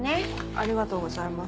ありがとうございます。